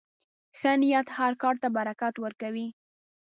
ښه نیت هر کار ته برکت ورکوي.